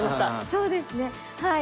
そうですねはい。